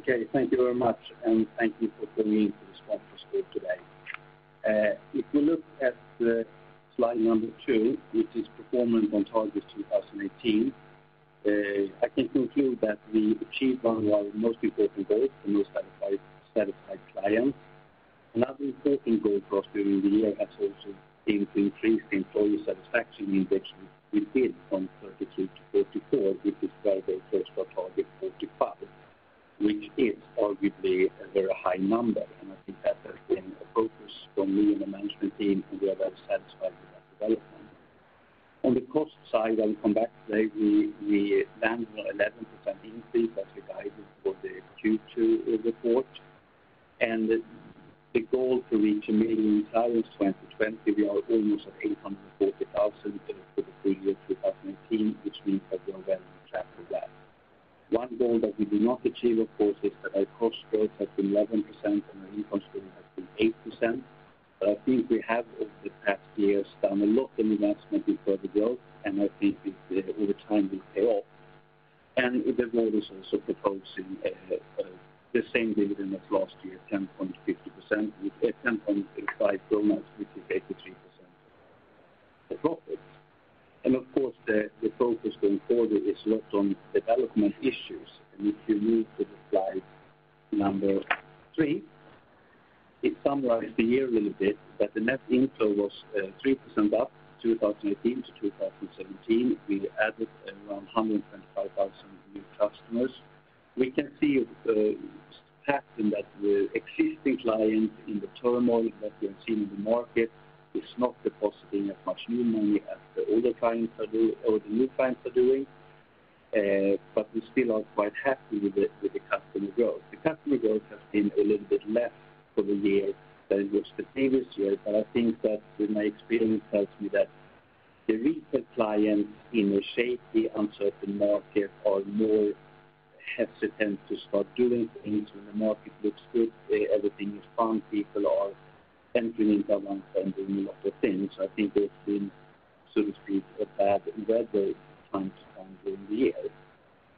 Okay, thank you very much, thank you for coming into this conference call today. If we look at slide number two, which is performance on targets 2018, I can conclude that we achieved one of our most important goals, the most satisfied client. Another important goal for us during the year has also been to increase the employee satisfaction index from 33-44, which is very close to our target 45. It is arguably a very high number, I think that has been a focus for me and the management team, and we are very satisfied with that development. On the cost side, I'll come back today, we landed on 11% increase as guided for the Q2 report. The goal to reach a million accounts 2020, we are almost at 840,000 for the full year 2018, which means that we are well on track with that. One goal that we did not achieve, of course, is that our cost growth has been 11% and our income stream has been 8%. I think we have over the past years done a lot in investment in further growth, I think it over time will pay off. The board is also proposing the same dividend as last year, 10.55 SEK, which is 83% of the profit. Of course, the focus going forward is a lot on development issues. If you move to the slide number three, it summarizes the year a little bit that the net inflow was 3% up 2018 to 2017. We added around 125,000 new customers. We can see a pattern that existing clients in the turmoil that we have seen in the market is not depositing as much new money as the new clients are doing. We still are quite happy with the customer growth. The customer growth has been a little bit less for the year than it was the previous year, I think that my experience tells me that the retail clients in a shaky, uncertain market are more hesitant to start doing things when the market looks good, everything is fine, people are entering income and doing a lot of things. I think there's been, so to speak, a bad weather time during the year.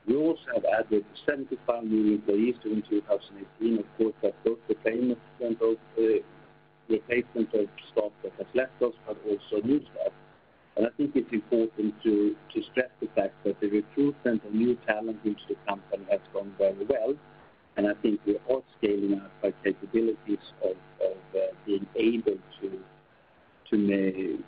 We also have added 75 new employees during 2018. Of course, that's both replacement of staff that has left us, but also new staff. I think it's important to stress the fact that the recruitment of new talent into the company has gone very well, I think we are scaling up our capabilities of being able to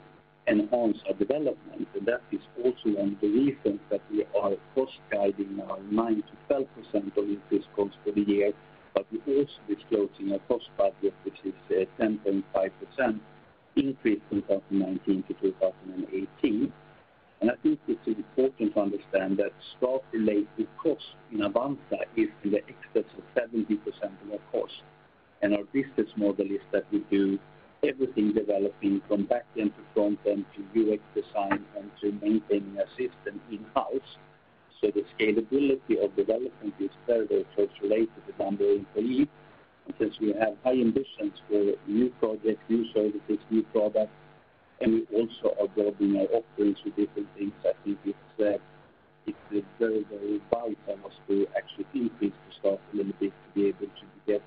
enhance our development. That is also one of the reasons that we are cost guiding our 9%-12% of increase costs for the year, we're also disclosing our cost budget which is 10.5% increase from 2019 to 2018. I think it's important to understand that staff-related cost in Avanza is in the excess of 70% of our cost. Our business model is that we do everything developing from back end to front end to UX design and to maintaining our system in-house. The scalability of development is fairly close related to the number of employees. Since we have high ambitions for new projects, new services, new products, and we also are broadening our offerings with different things, I think it's very vital for us to actually increase the staff a little bit to be able to get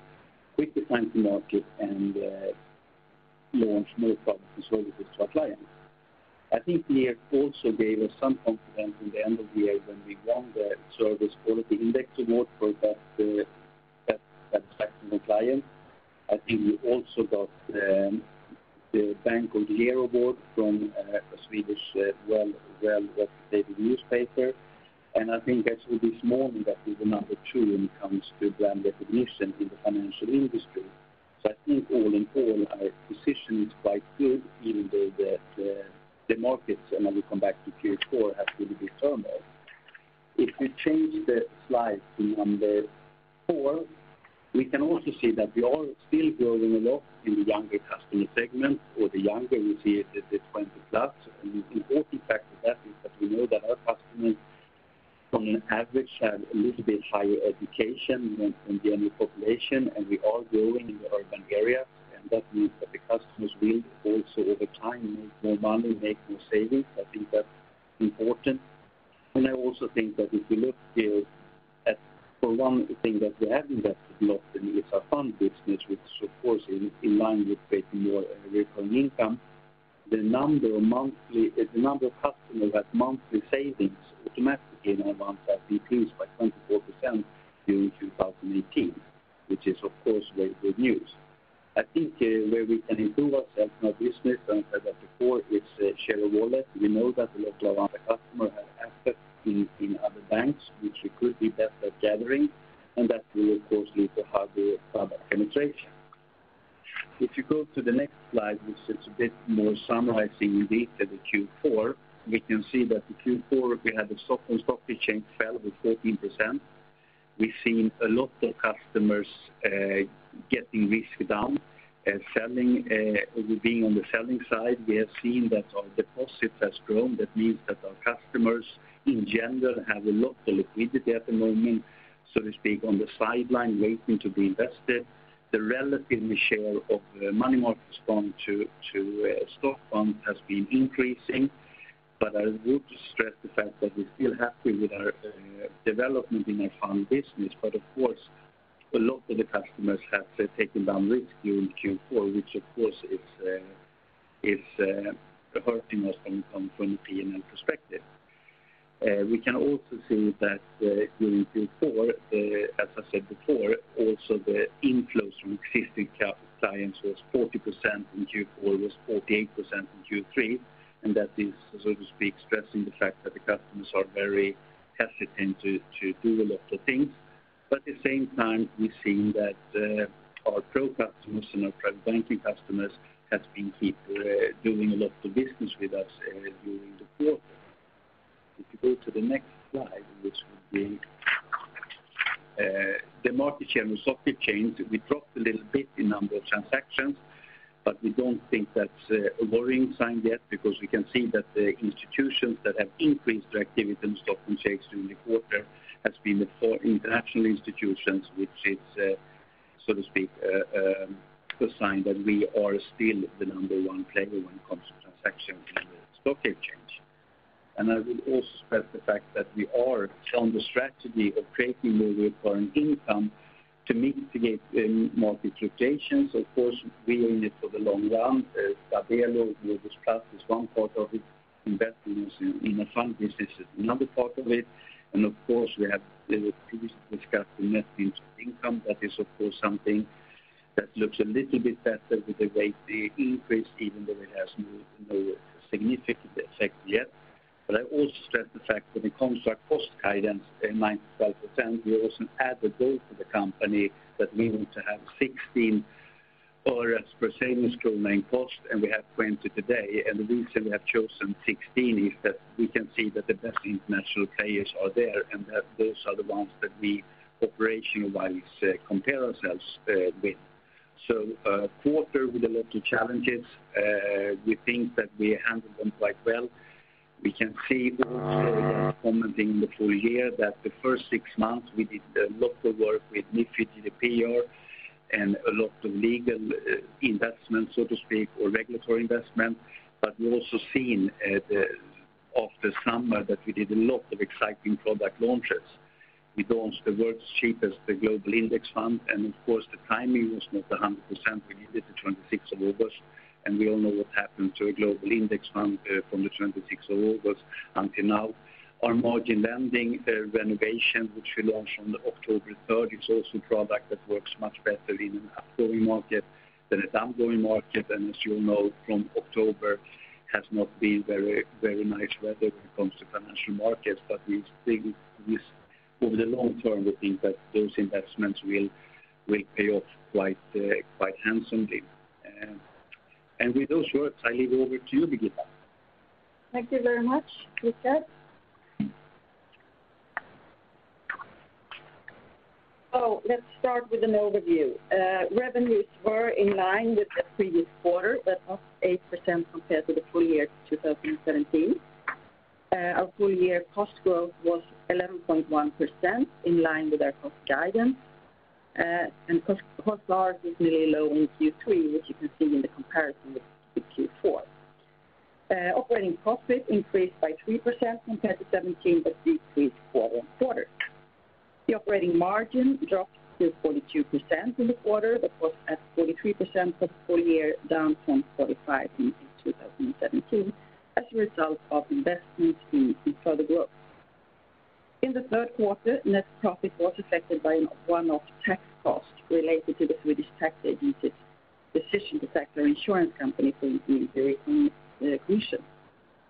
quicker time to market and launch more products and services to our clients. I think the year also gave us some confidence in the end of the year when we won the Swedish Quality Index Award for best satisfaction of clients. I think we also got the Bank of the Year award from a Swedish well-respected newspaper. I think actually this morning that is another two when it comes to brand recognition in the financial industry. I think all in all, our position is quite good even though the markets, and I will come back to Q4, has really been turmoil. If we change the slide to number four, we can also see that we are still growing a lot in the younger customer segment or the younger you see the 20+. The important factor there is that we know that our customers on average have a little bit higher education than the general population, and we are growing in the urban area, and that means that the customers will also over time make more money, make more savings. I think that's important. I also think that if you look here at for one thing that we have invested a lot in is our fund business which of course in line with creating more recurring income. The number of customers who have monthly savings automatically in Avanza increased by 24% during 2018, which is of course very good news. I think where we can improve ourselves in our business, and I said that before, is share of wallet. We know that a lot of Avanza customers have assets in other banks, which we could be better at gathering, and that will of course lead to higher product penetration. If you go to the next slide, which is a bit more summarizing data, the Q4, we can see that the Q4, we had the stock exchange fell with 14%. We've seen a lot of customers getting risk down. Being on the selling side, we have seen that our deposit has grown. That means that our customers in general have a lot of liquidity at the moment, so to speak, on the sideline waiting to be invested. The relative share of money markets fund to stock fund has been increasing. I would stress the fact that we're still happy with our development in our fund business. Of course, a lot of the customers have taken down risk during Q4, which of course is hurting us from a PNL perspective. We can also see that during Q4, as I said before, also the inflows from existing clients was 40% in Q4, it was 48% in Q3, that is, so to speak, stressing the fact that the customers are very hesitant to do a lot of things. At the same time, we've seen that our pro customers and our private banking customers have been doing a lot of business with us during the quarter. If you go to the next slide, which would be the market share in the stock exchange, we dropped a little bit in number of transactions, we don't think that's a worrying sign yet, because we can see that the institutions that have increased their activity in Stockholm exchange during the quarter has been the four international institutions, which is, so to speak, a sign that we are still the number one player when it comes to transactions in the Stockholm exchange. I would also stress the fact that we are on the strategy of creating more recurrent income to mitigate market fluctuations. Of course, we are in it for the long run. Stabelo Global Class is one part of it. Investing in the fund business is another part of it. Of course, we have previously discussed the net fees on income. That is, of course, something that looks a little bit better with the rate increase, even though it has no significant effect yet. I also stress the fact that when it comes to our cost guidance in 9%-12%, we also add a goal to the company that we want to have 16 euros per cost to savings capital ratio, and we have 20 today. The reason we have chosen 16 is that we can see that the best international players are there, and that those are the ones that we operationally compare ourselves with. A quarter with a lot of challenges. We think that we handled them quite well. We can see those when we're commenting on the full year that the first six months we did a lot of work with MiFID and GDPR and a lot of legal investments, so to speak, or regulatory investment. We've also seen after summer that we did a lot of exciting product launches. We launched the world's cheapest global index fund. Of course, the timing was not 100%. We did it the 26th of August, and we all know what happened to a global index fund from the 26th of August until now. Our margin lending renovation, which we launched on October 3rd, is also a product that works much better in an upgoing market than a down-going market. As you know, from October has not been very nice weather when it comes to financial markets. Over the long term, we think that those investments will pay off quite handsomely. With those words, I leave it over to you, Birgitta. Thank you very much, Rikard. Let's start with an overview. Revenues were in line with the previous quarter, up 8% compared to the full year 2017. Our full-year cost growth was 11.1%, in line with our cost guidance. Cost/loss is really low in Q3, which you can see in the comparison with Q4. Operating profit increased by 3% compared to 2017, decreased quarter-on-quarter. The operating margin dropped to 42% in the quarter, was at 43% for the full year, down from 45% in 2017, as a result of investments in further growth. In the Q3, net profit was affected by a one-off tax cost related to the Swedish Tax Agency's decision to tax our insurance company in Sweden,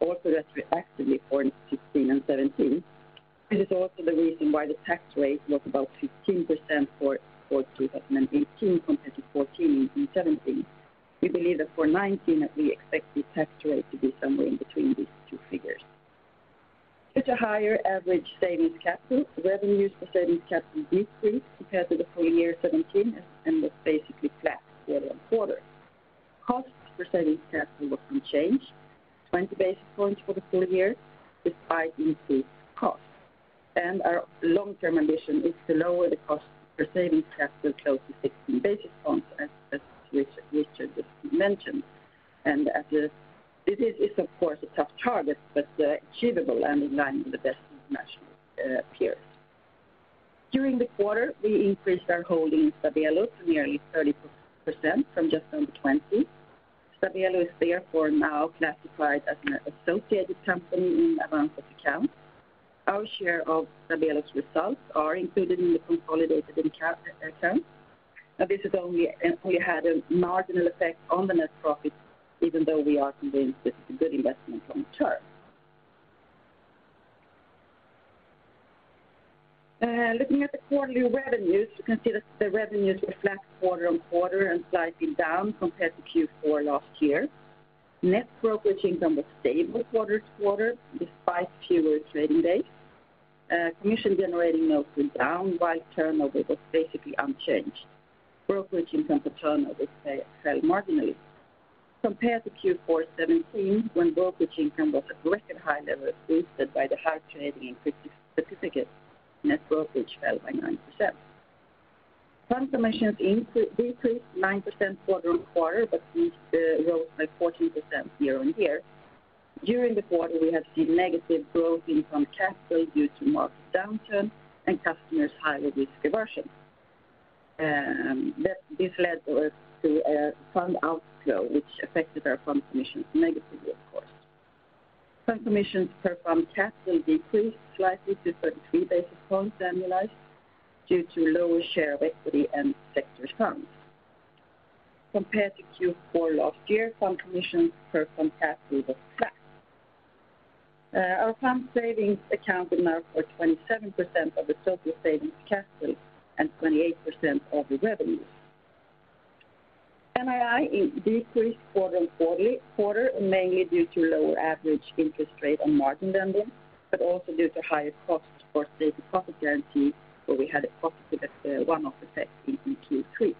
also retroactively for 2016 and 2017. It is also the reason why the tax rate was about 15% for 2018 compared to 14% in 2017. We believe that for 2019, we expect the tax rate to be somewhere in between these two figures. With a higher average savings capital, revenues per savings capital decreased compared to the full year 2017 and was basically flat quarter-on-quarter. Cost per savings capital was unchanged, 20-basis points, for the full year, despite increased costs. Our long-term ambition is to lower the cost per savings capital close to 16-basis points, as Rikard just mentioned. It's of course a tough target, achievable and in line with the best international peers. During the quarter, we increased our holding in Stabelo to nearly 30% from just under 20%. Stabelo is therefore now classified as an associated company in Avanza accounts. Our share of Stabelo's results are included in the consolidated accounts. This has only had a marginal effect on the net profit, even though we are convinced this is a good investment long-term. Looking at the quarterly revenues, you can see that the revenues were flat quarter-on-quarter and slightly down compared to Q4 last year. Net brokerage income was stable quarter-to-quarter despite fewer trading days. Brokerage-generating notes went down while turnover was basically unchanged. Brokerage income for turnover fell marginally. Compared to Q4 2017, when brokerage income was at record high levels boosted by the high trading in certificates, net brokerage fell by 9%. Fund commissions decreased 9% quarter-on-quarter, we rose by 14% year-on-year. During the quarter, we have seen negative growth in fund cash flow due to market downturn and customers' high-risk aversion. This led to a fund outflow which affected our fund commissions negatively, of course. Fund commissions per fund capital decreased slightly to 33-basis points annualized due to lower share of equity and sector funds. Compared to Q4 last year, fund commissions per fund capital was flat. Our fund savings account now for 27% of the total savings capital and 28% of the revenues. NII decreased quarter-on-quarter, mainly due to lower average interest rate on margin lending, also due to higher costs for deposit guarantee scheme, where we had a positive one-off effect in Q3.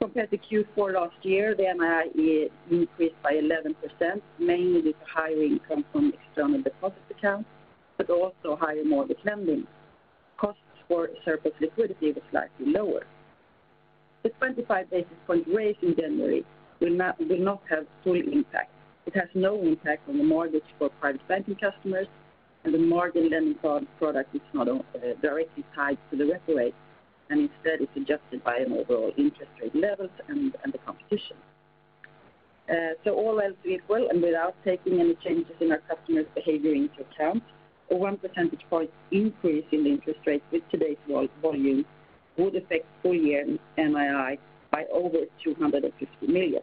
Compared to Q4 last year, the NII increased by 11%, mainly due to higher income from external deposit accounts, also higher mortgage lending. Costs for surplus liquidity was slightly lower. The 25-basis point raise in January will not have full impact. It has no impact on the mortgage for private banking customers and the margin lending product which is not directly tied to the repo rate, and instead is adjusted by overall interest rate levels and the competition. All else being well, and without taking any changes in our customers' behavior into account, a one percentage point increase in the interest rate with today's volume would affect full year NII by over 250 million.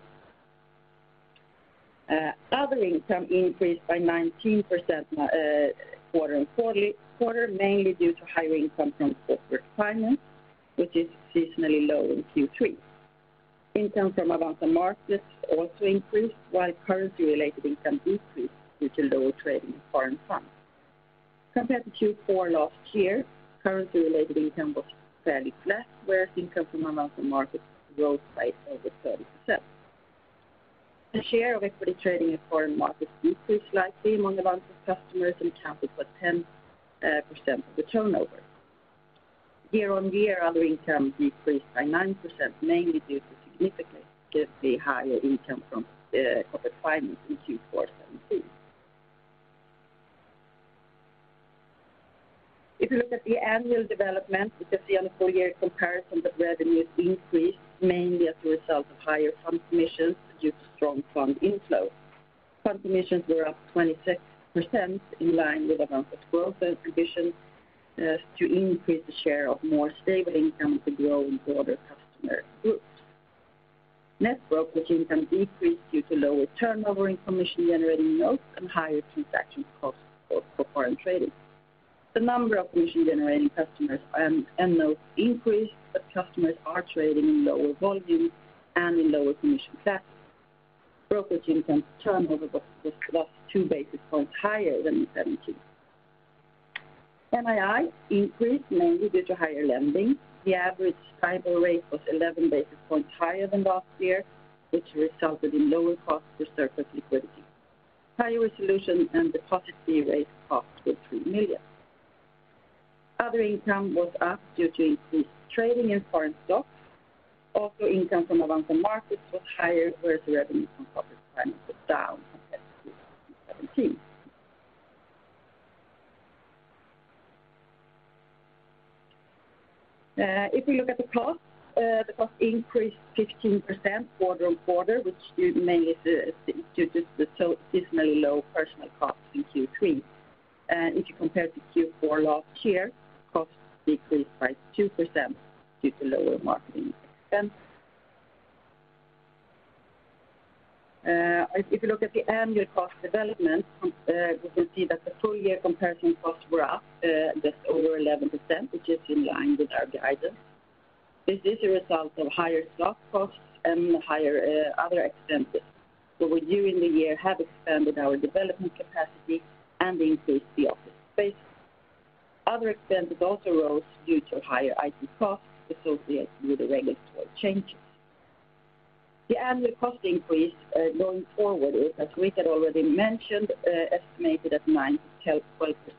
Other income increased by 19% quarter-on-quarter, mainly due to higher income from corporate finance, which is seasonally low in Q3. Income from Avanza Markets also increased, while currency-related income decreased due to lower trade in foreign funds. Compared to Q4 last year, currency-related income was fairly flat, whereas income from Avanza Markets rose by over 30%. The share of equity trading in foreign markets decreased slightly among Avanza customers and capped at 10% of the turnover. Year-on-year, other income decreased by 9%, mainly due to significantly higher income from corporate finance in Q4 2017. If you look at the annual development, we can see on a full year comparison that revenues increased mainly as a result of higher fund commissions due to strong fund inflows. Fund commissions were up 26%, in line with Avanza's growth ambitions to increase the share of more stable income to grow in broader customer groups. Net brokerage income decreased due to lower turnover in brokerage-generating notes and higher transaction costs for foreign trading. The number of brokerage-generating customers and notes increased, but customers are trading in lower volumes and in lower commission caps. Brokerage income turnover was 2-basis points higher than in 2017. NII increased mainly due to higher lending. The average STIBOR rate was 11 basis points higher than last year, which resulted in lower cost for surplus liquidity. Higher resolution and deposit fee rates cost us 3 million. Other income was up due to increased trading in foreign stocks. Also, income from Avanza Markets was higher, whereas the revenue from corporate finance was down compared to 2017. If we look at the costs, the costs increased 15% quarter-on-quarter, which is mainly due to the seasonally low personal costs in Q3. If you compare to Q4 last year, costs decreased by 2% due to lower marketing expenses. If you look at the annual cost development, you can see that the full year comparison costs were up just over 11%, which is in line with our guidance. This is a result of higher stock costs and higher other expenses. We during the year have expanded our development capacity and increased the office space. Other expenses also rose due to higher IT costs associated with the regulatory changes. The annual cost increase going forward is, as Rikard already mentioned, estimated at 9%-12%,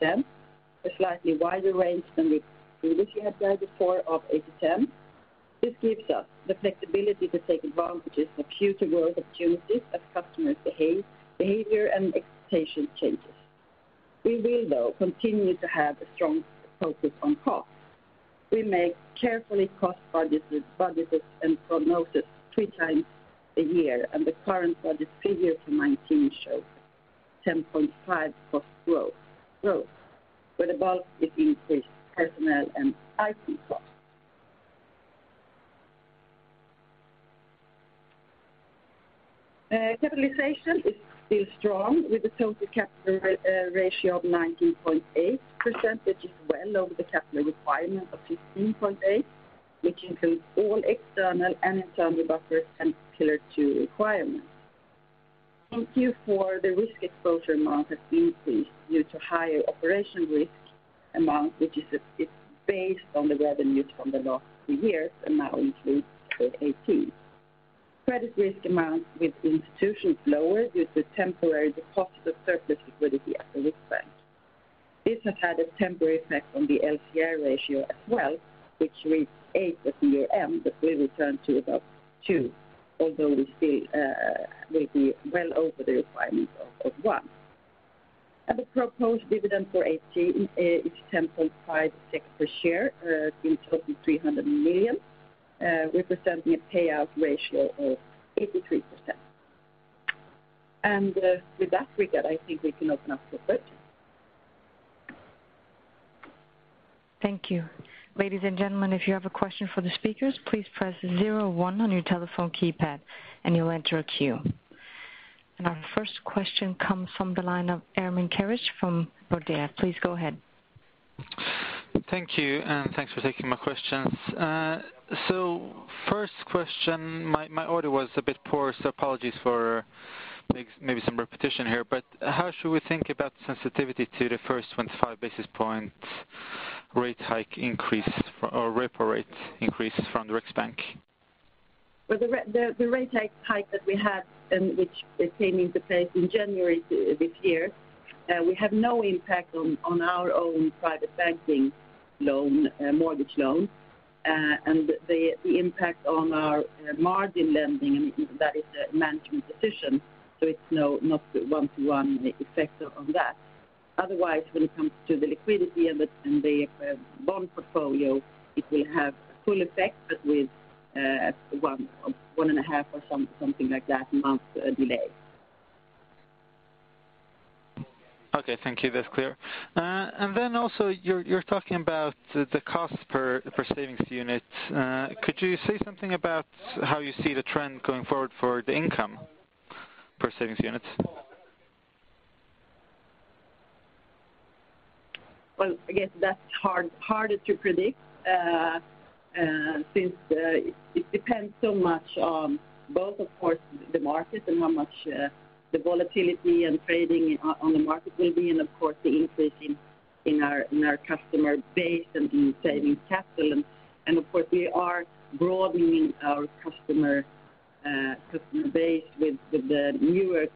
a slightly wider range than the previous we had guided for of 8%-10%. This gives us the flexibility to take advantages of future growth opportunities as customer behavior and expectation changes. We will though, continue to have a strong focus on costs. We make carefully cost budgets and prognosis three times a year, and the current budget figure for 2019 shows 10.5% cost growth, where the bulk is increased personnel and IT costs. Capitalization is still strong with a total capital ratio of 19.8%, which is well over the capital requirement of 15.8%, which includes all external and internal buffers and Pillar two requirements. In Q4, the risk exposure amount has increased due to higher operational risk amount, which is based on the revenues from the last two years and now includes 2018. Credit risk amount with institutions lowered with the temporary deposit of surplus liquidity at the Riksbank. This has had a temporary effect on the LCR ratio as well, which reached eight at year-end, but will return to about two, although we see we'll be well over the requirement of 1. The proposed dividend for 2018 is 10.56 per share in total 300 million, representing a payout ratio of 83%. With that, Rikard, I think we can open up for questions. Thank you. Ladies and gentlemen, if you have a question for the speakers, please press zero one on your telephone keypad and you'll enter a queue. Our first question comes from the line of Ermin Keric from Nordea. Please go ahead. Thank you, and thanks for taking my questions. First question, my order was a bit poor, so apologies for maybe some repetition here, but how should we think about sensitivity to the first 25-basis points rate hike increase or repo rate increases from the Riksbank? The rate hike that we had and which came into place in January this year we have no impact on our own private banking mortgage loan. The impact on our margin lending, that is a management decision. It's not one-to-one effect on that. Otherwise, when it comes to the liquidity and the bond portfolio, it will have a full effect, but with one and a half or something like that amount delay. Okay. Thank you. That's clear. Also you're talking about the cost per savings unit. Could you say something about how you see the trend going forward for the income per savings units? Well, I guess that's harder to predict since it depends so much on both, of course, the market and how much the volatility and trading on the market will be and, of course, the increase in our customer base and in savings capital. Of course, we are broadening our customer base with the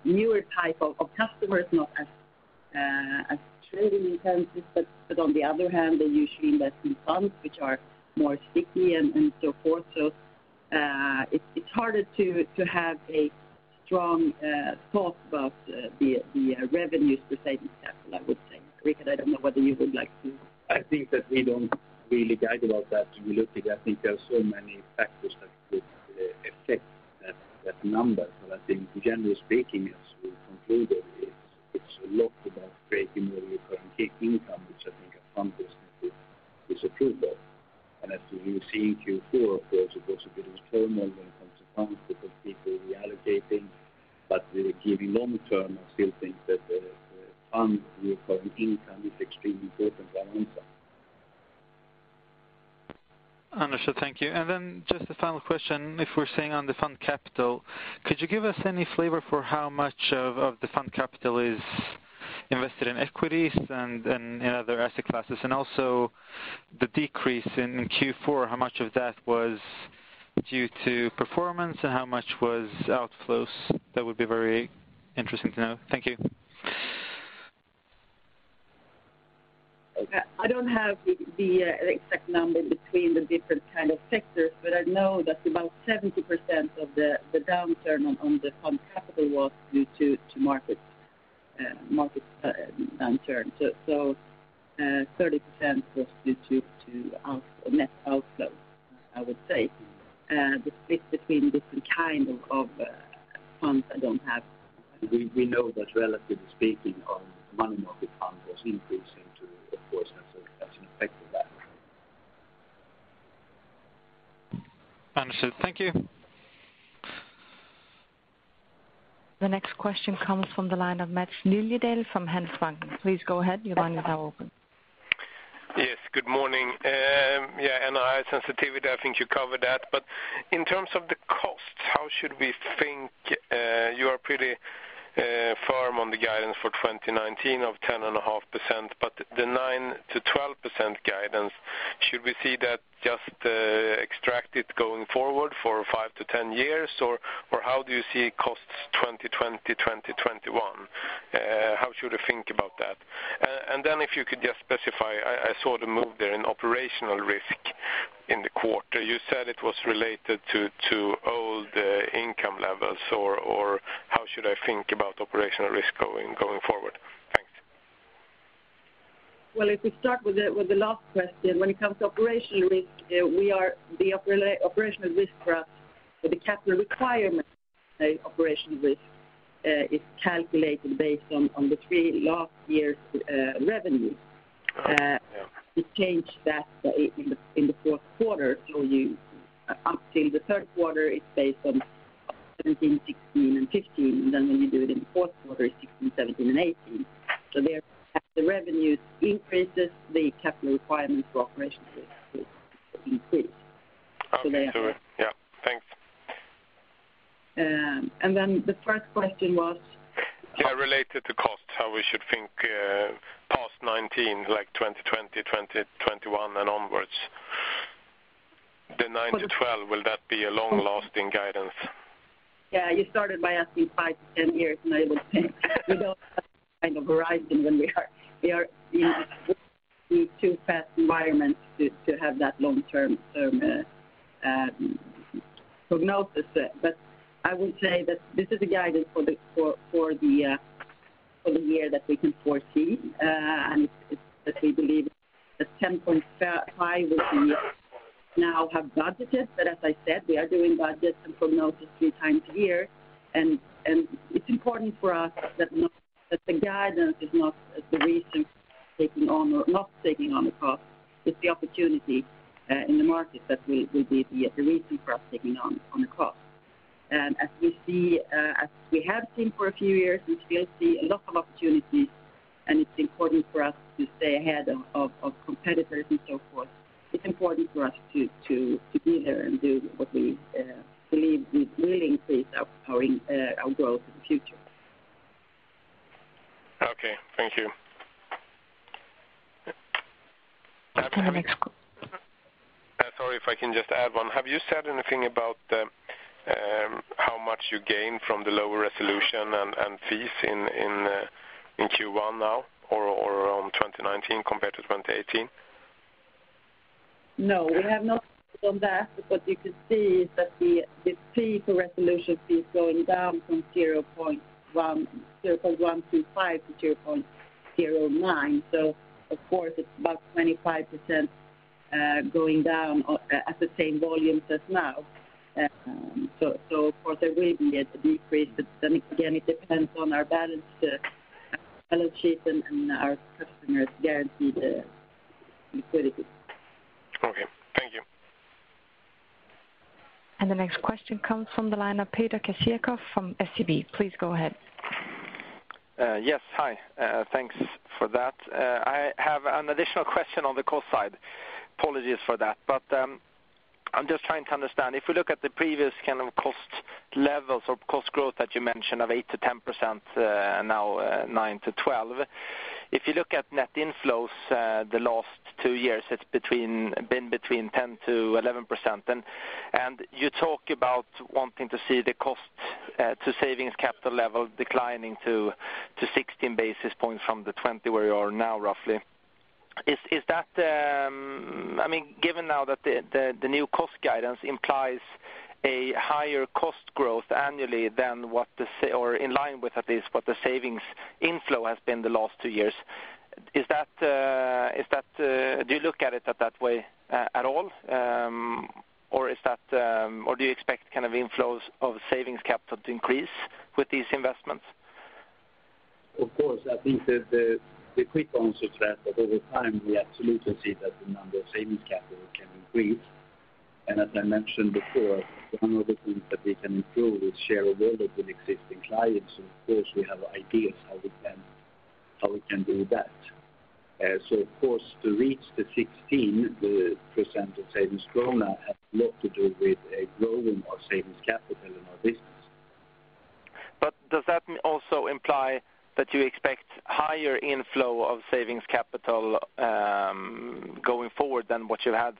newer type of customers, not as trading intensive, but on the other hand, they usually invest in funds which are more sticky and so forth. It's harder to have a strong thought about the revenues to savings capital, I would say. Rikard, I don't know whether you would like to I think that we don't really guide about that. I think there are so many factors that could affect that number. I think generally speaking, as we concluded, it's a lot about creating recurring income, which I think a fund business is approved of. As you see in Q4, of course, it was a bit of turmoil when it comes to funds because people reallocating. Giving long-term, I still think that the fund recurring income is extremely important for Avanza. Understood. Thank you. Just a final question, if we're staying on the fund capital, could you give us any flavor for how much of the fund capital is invested in equities and in other asset classes? Also the decrease in Q4, how much of that was due to performance and how much was outflows? That would be very interesting to know. Thank you. I don't have the exact number between the different kind of sectors, but I know that about 70% of the downturn on the fund capital was due to market downturn. 30% was due to net outflow, I would say. The split between different kind of funds I don't have. We know that relatively speaking on money market fund was increasing too, of course, that's an effect of that. Understood. Thank you. The next question comes from the line of Maths Liljedahl from Handelsbanken. Please go ahead. Your line is now open. Yes, good morning. NII sensitivity, I think you covered that. In terms of the costs, how should we think you are pretty firm on the guidance for 2019 of 10.5%, the 9%-12% guidance, should we see that just extracted going forward for 5-10 years? How do you see costs 2020, 2021? How should I think about that? If you could just specify, I saw the move there in operational risk in the quarter. You said it was related to old income levels, or how should I think about operational risk going forward? Thanks. Well, if we start with the last question, when it comes to operational risk the capital requirement operational risk is calculated based on the three last years' revenue. Oh, yeah. We changed that in the Q4. Up till the Q3 it's based on 2017, 2016, and 2015. When we do it in the Q4, it's 2016, 2017, and 2018. There as the revenues increases, the capital requirement for operational risk will increase. Okay. Yeah. Thanks. The first question was? Yeah, related to cost, how we should think past 2019, like 2020, 2021, and onwards, 9%-12%. Will that be a long-lasting guidance? Yeah. You started by asking 5-10 years, I would say we don't have that kind of horizon when we are in too fast environments to have that long-term prognosis. I would say that this is a guidance for the year that we can foresee, that we believe that 10.5% we can now have budgeted. As I said, we are doing budgets and prognosis three times a year, it's important for us that the guidance is not the reason for taking on or not taking on the cost. It's the opportunity in the market that will be the reason for us taking on the cost. As we have seen for a few years, we still see a lot of opportunities, it's important for us to stay ahead of competitors and so forth. It's important for us to be here and do what we believe will really increase our growth in the future. Okay. Thank you. Next call. Sorry if I can just add one. Have you said anything about how much you gain from the lower regulation and fees in Q1 now, or around 2019 compared to 2018? No, we have not done that. What you could see is that the fee for resolution fees going down from 0.125-0.09. Of course, it's about 25% going down at the same volumes as now. Of course there will be a decrease, again, it depends on our balance sheet and our customers guarantee the liquidity. Okay. Thank you. The next question comes from the line of Peter Klerck-Jakobsen from SEB. Please go ahead. Yes. Hi. Thanks for that. I have an additional question on the cost side. Apologies for that. I'm just trying to understand, if we look at the previous kind of cost levels or cost growth that you mentioned of 8%-10%, now 9%-12%. If you look at net inflows the last two years, it's been between 10%-11%. You talk about wanting to see the cost to savings capital level declining to 16 basis points from the 20 where you are now roughly. Given now that the new cost guidance implies a higher cost growth annually than, or in line with at least, what the savings inflow has been the last two years, do you look at it that way at all? Do you expect inflows of savings capital to increase with these investments? I think that the quick answer to that over time we absolutely see that the number of savings capital can increase. As I mentioned before, one of the things that we can improve is share of wallet with existing clients, and of course we have ideas how we can do that. To reach the 16% of savings SEK has a lot to do with a growing of savings capital in our business. Does that also imply that you expect higher inflow of savings capital going forward than what you have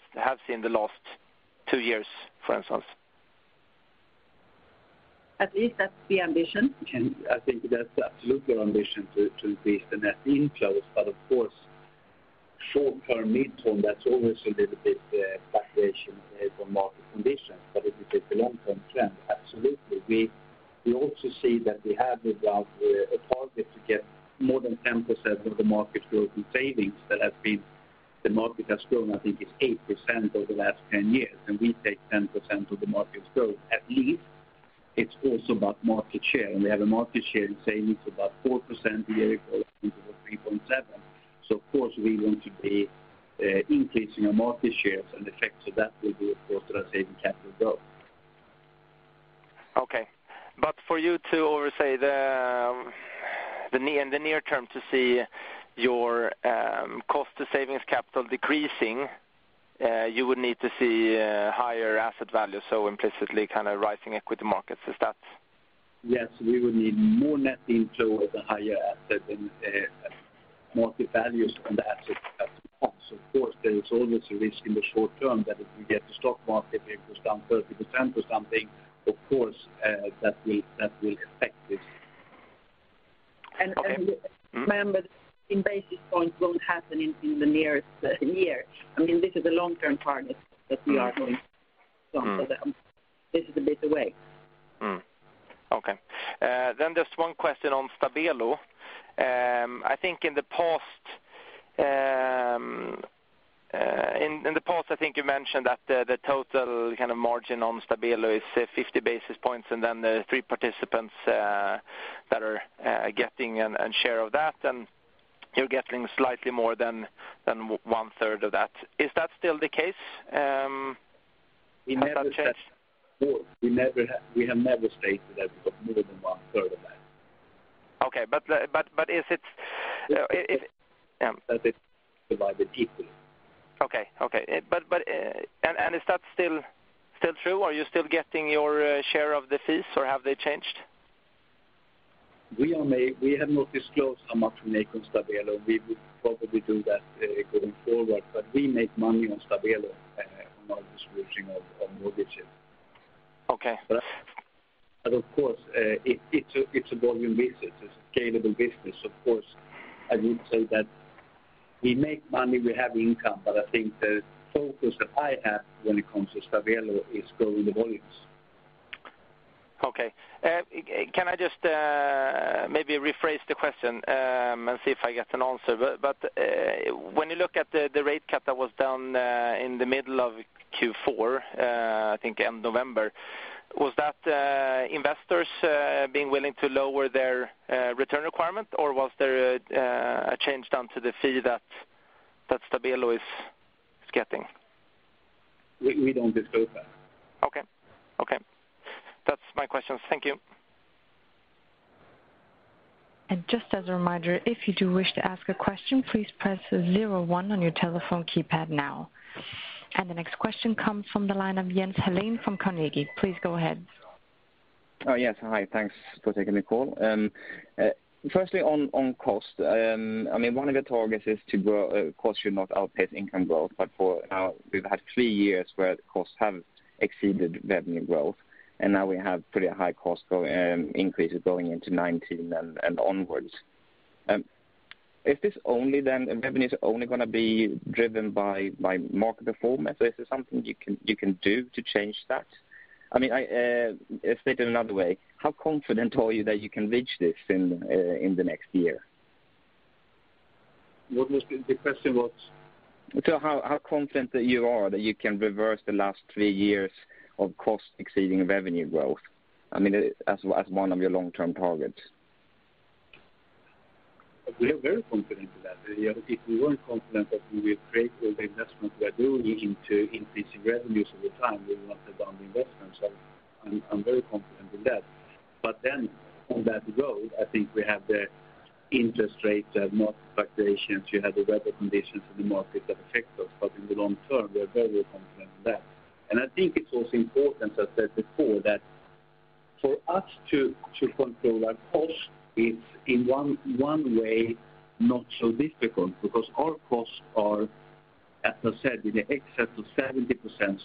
seen the last two years, for instance? At least that's the ambition. I think that's the absolute, our ambition to increase the net inflows. Of course, short term, mid-term, that's always a little bit fluctuation from market conditions. If you take the long-term trend, absolutely. We also see that we have a target to get more than 10% of the market growth in savings that has been the market has grown, I think it's 8% over the last 10 years, and we take 10% of the market growth at least. It's also about market share, and we have a market share in savings of about 4% yearly 3.7%. Of course, we want to be increasing our market shares and the effects of that will be, of course, that our savings capital grow. For you to, in the near term to see your cost to savings capital decreasing you would need to see higher asset value, so implicitly rising equity markets. Is that? Yes, we would need more net inflow at the higher asset and market values on the assets. Of course, there is always a risk in the short term that if you get the stock market goes down 30% or something, of course that will affect it. Remember, in basis points won't happen in the nearest year. This is a long-term target that we are going for them. This is a bit away. Just one question on Stabelo. In the past, I think you mentioned that the total margin on Stabelo is 50-basis points, and then the three participants that are getting a share of that, and you're getting slightly more than one third of that. Is that still the case? Has that changed? We have never stated that we got more than one third of that. Okay. That is provided equally. Okay. Is that still true? Are you still getting your share of the fees or have they changed? We have not disclosed how much we make on Stabelo. We will probably do that going forward. We make money on Stabelo from our distribution of mortgages. Of course, it's a volume business. It's a scalable business. Of course, I would say that we make money, we have income, but I think the focus that I have when it comes to Stabelo is growing the volumes. Okay. Can I just maybe rephrase the question, and see if I get an answer? When you look at the rate cut that was done in the middle of Q4, I think in November, was that investors being willing to lower their return requirement, or was there a change done to the fee that Stabelo is getting? We don't disclose that. Okay. That's my questions. Thank you. Just as a reminder, if you do wish to ask a question, please press zero one on your telephone keypad now. The next question comes from the line of Jens Hallén from Carnegie. Please go ahead. Yes. Hi, thanks for taking the call. Firstly on cost. One of your targets is costs should not outpace income growth, for now, we've had three years where costs have exceeded revenue growth, now we have pretty high cost increases going into 2019 and onwards. Is this only then, the revenue's only going to be driven by market performance, or is there something you can do to change that? Let's state it another way. How confident are you that you can reach this in the next year? The question was? How confident you are that you can reverse the last three years of cost exceeding revenue growth, as one of your long-term targets? We are very confident in that. If we weren't confident that we will break all the investments we are doing into increasing revenues over time, we would not have done the investments. I'm very confident in that. On that road, I think we have the interest rates, you have market fluctuations, you have the weather conditions in the market that affect us. In the long term, we are very confident in that. I think it's also important, as I said before, that for us to control our cost, it's in one way, not so difficult because our costs are, as I said, in the excess of 70%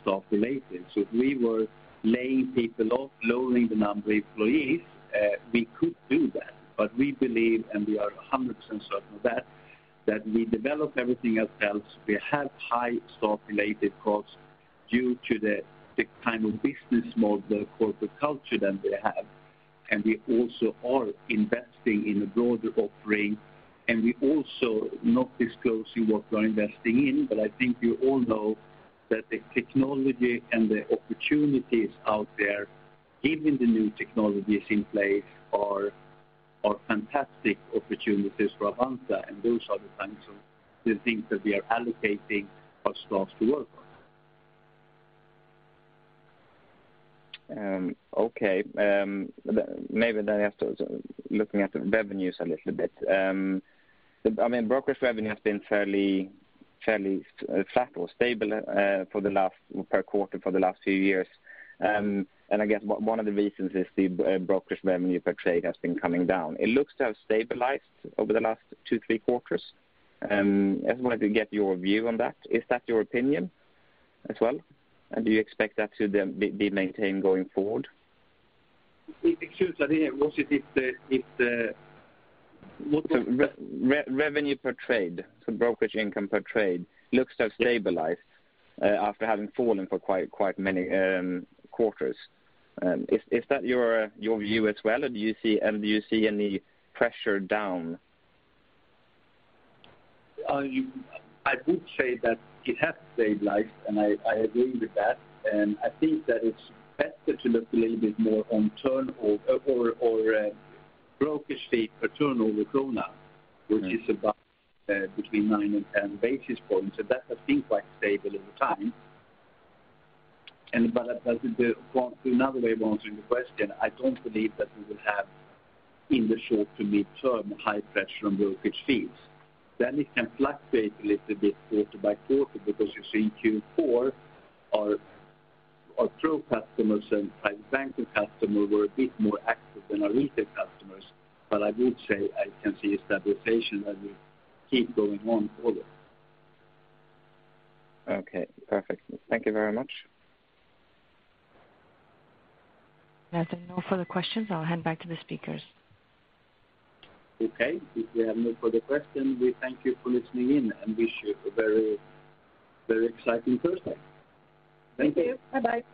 staff-related. If we were laying people off, lowering the number of employees, we could do that. We believe, and we are 100% certain of that we develop everything else. We have high staff-related costs due to the kind of business model corporate culture that we have. We also are investing in a broader offering. We also not disclose in what we're investing in. I think you all know that the technology and the opportunities out there, given the new technologies in place, are fantastic opportunities for Avanza, and those are the kinds of the things that we are allocating our staff to work on. Okay. Maybe after looking at the revenues a little bit. Brokers revenue has been fairly flat or stable per quarter for the last few years. I guess one of the reasons is the brokerage revenue per trade has been coming down. It looks to have stabilized over the last two, three quarters. I just wanted to get your view on that. Is that your opinion as well? Do you expect that to be maintained going forward? I think the question, what is it? Revenue per trade to brokerage income per trade looks to have stabilized after having fallen for quite many quarters. Is that your view as well, or do you see any pressure down? I would say that it has stabilized. I agree with that. I think that it's better to look a little bit more on turnover or brokerage fee per turnover krona, which is about between 9 and 10-basis points. That has been quite stable over time. Another way of answering the question, I don't believe that we will have, in the short to midterm, high pressure on brokerage fees. It can fluctuate a little bit quarter by quarter because you see in Q4 our pro customers and private banking customers were a bit more active than our retail customers. I would say I can see a stabilization that will keep going on forward. Okay, perfect. Thank you very much. As there are no further questions, I'll hand back to the speakers. Okay. If we have no further questions, we thank you for listening in and wish you a very exciting Thursday. Thank you. Thank you. Bye-bye.